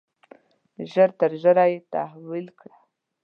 ژر تر ژره یې تحویل کړه.